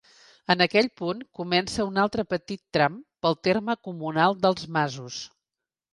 En aquell punt comença un altre petit tram pel terme comunal dels Masos.